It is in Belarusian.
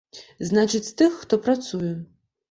Значыць, з тых, хто працуе.